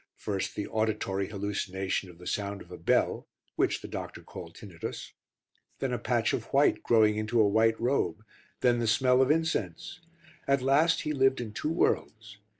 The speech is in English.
First the auditory hallucination of the sound of a bell, which the doctor called tinnitus. Then a patch of white growing into a white robe, then the smell of incense. At last he lived in two worlds.